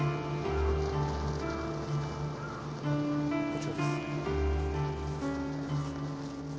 こちらです。